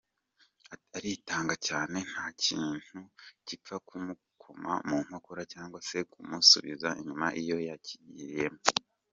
Aritanga cyane, nta kintu gipfa kumukoma mu nkora cyangwa se kumusubiza inyuma iyo yakinjiyemo.